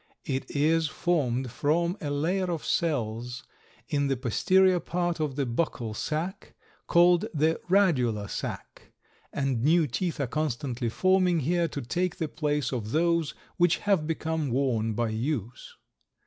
It is formed from a layer of cells in the posterior part of the buccal sac, called the radula sac, and new teeth are constantly forming here to take the place of those which have become worn by use.